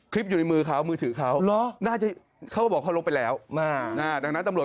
อยู่ในมือเขามือถือเขาน่าจะเขาก็บอกเขาลบไปแล้วดังนั้นตำรวจ